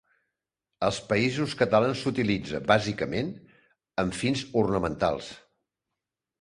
Als països catalans s'utilitza, bàsicament, amb fins ornamentals.